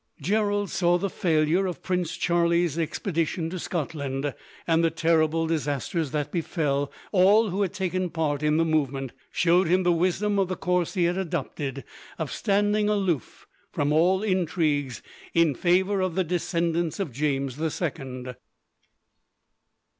Gerald saw the failure of Prince Charlie's expedition to Scotland; and the terrible disasters, that befell all who had taken part in the movement, showed him the wisdom of the course he had adopted of standing aloof from all intrigues in favour of the descendants of James the Second.